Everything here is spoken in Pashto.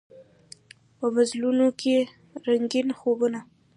په مزلونوکې رنګین خوبونه